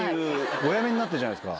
お辞めになったじゃないですか。